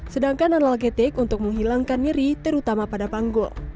sedangkan analgetik untuk menghilangkan nyeri terutama pada panggul